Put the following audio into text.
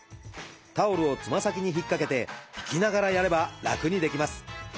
タオルをつま先に引っ掛けて引きながらやれば楽にできます。